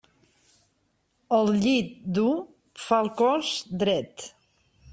El llit dur fa el cos dret.